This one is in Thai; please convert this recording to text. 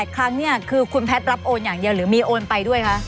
ครั้งเนี่ยคือคุณแพทย์รับโอนอย่างเดียวหรือมีโอนไปด้วยคะ